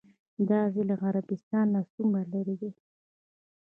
دا ځای له عربستان نه څومره لرې دی؟